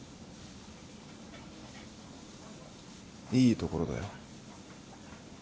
いいところだよ。